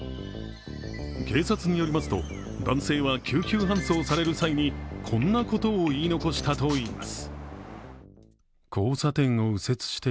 警察によりますと男性は救急搬送される際にこんなことを言い残したといいます。